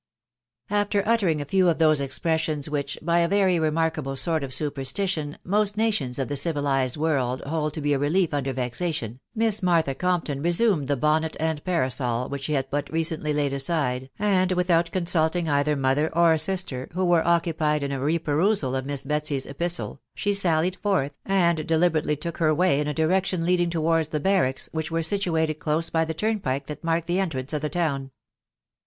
After uttering a few of those expressions which, by a very remarkable sort of superstition, most nations of the civilised world hold to oe a relief under vexation, Miss Martha Comp ton returned the bonnet and parasol which she had but recently laid aside, and without consulting either mother or sister, who were occupied in' a reperusal of Miss Betsy's epistle, she sallied forth, and deliberately took her way in a direction leading towards the barracks, which were situated close by die turnpike that marked the entrance to the town.